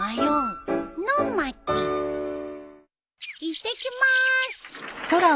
いってきます。